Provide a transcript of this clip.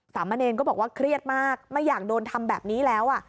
มะเนรก็บอกว่าเครียดมากไม่อยากโดนทำแบบนี้แล้ว